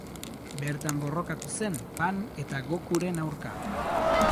Bertan borrokatu zen Pan eta Gokuren aurka.